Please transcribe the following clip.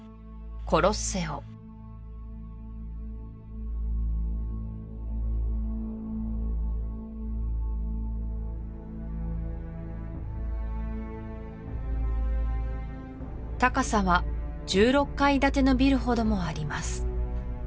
コロッセオ高さは１６階建てのビルほどもあります